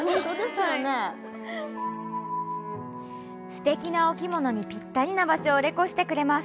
すてきなお着物にぴったりな場所をレコしてくれます。